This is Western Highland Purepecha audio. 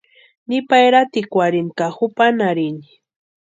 Nipa eratikwarhini ka jupanharhini.